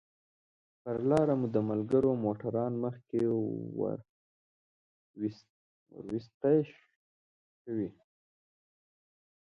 پر لاره مو د ملګرو موټران مخکې وروسته شوي.